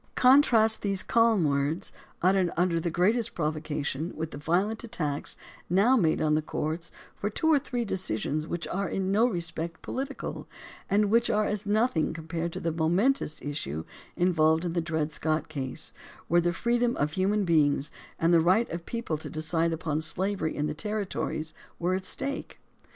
Contrast these calm words, uttered under the great est provocation, with the violent attacks now made on the courts for two or three decisions which are in no respect political and which are as nothing compared to the momentous issue involved in the Dred Scott case, where the freedom of human beings and the right of the people to decide upon slaveiy in the territories were at stake.